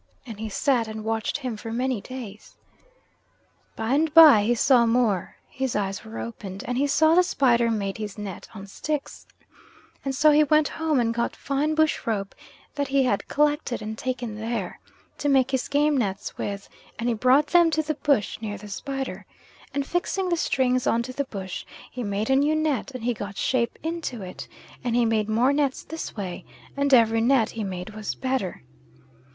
And he sat and watched him for many days. By and by he saw more (his eyes were opened) and he saw the spider made his net on sticks, and so he went home and got fine bush rope that he had collected, and taken there, to make his game nets with, and he brought them to the bush near the spider, and fixing the strings on to the bush he made a new net and he got shape into it, and he made more nets this way, and every net he made was better.